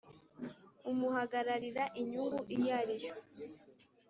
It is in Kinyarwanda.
umuhagararira inyungu iyo ari yo